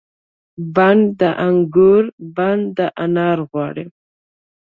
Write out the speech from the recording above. بڼ د انګور بڼ د انار غواړي